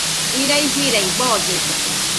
Irai firai, boollesa